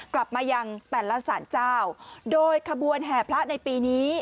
กลับมายังแต่ละสารเจ้าโดยขบวนแห่พระในปีนี้